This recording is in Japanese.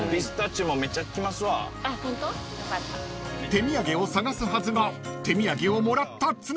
［手土産を探すはずが手土産をもらった常田君］